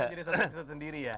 jadi serta merta sendiri ya